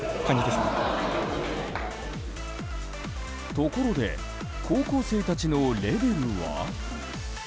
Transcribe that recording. ところで高校生たちのレベルは？